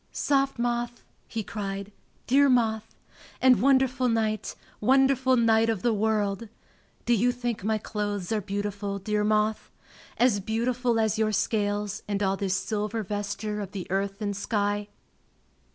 "Soft moth!" he cried, "dear moth! And wonderful night, wonderful night of the world! Do you think my clothes are beautiful, dear moth? As beautiful as your scales and all this silver vesture of the earth and sky?"